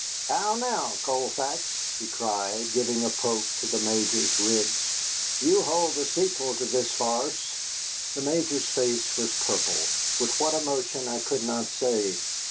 "How now, Colfax?" he cried, giving a poke to the Major's ribs; "you hold the sequel to this farce." The Major's face was purple, with what emotion I could not say.